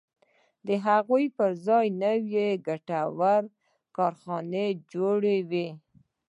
د هغو پر ځای نورې ګټورې کارخانې جوړوي.